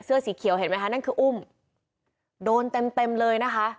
สีเขียวเห็นไหมคะนั่นคืออุ้มโดนเต็มเต็มเลยนะคะ